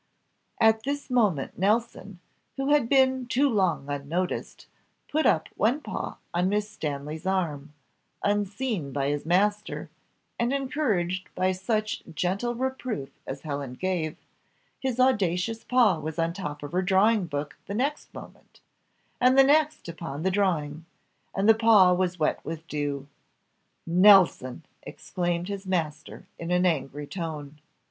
At this moment Nelson, who had been too long unnoticed, put up one paw on Miss Stanley's arm, unseen by his master, and encouraged by such gentle reproof as Helen gave, his audacious paw was on the top of her drawing book the next moment, and the next was upon the drawing and the paw was wet with dew. "Nelson!" exclaimed his master in an angry tone.